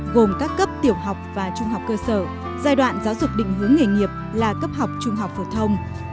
gồm các cấp tiểu học và trung học cơ sở giai đoạn giáo dục định hướng nghề nghiệp là cấp học trung học phổ thông